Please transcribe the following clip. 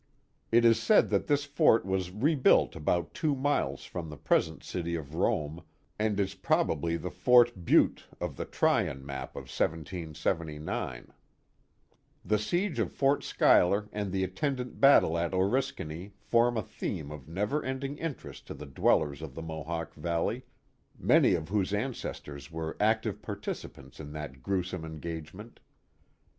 It is said that this fort was rebuilt about two miles from the present city of Rome and is probably the Fort Bute of the Tryon map of 1779. The siege Oriskany 4^5 of Fort Schuyler and the attendant battle at Oriskany form a theme of never ending interest to the dwellers of the Mohawk Valley, many of whose ancestors were active partici pants in that gruesome engagement.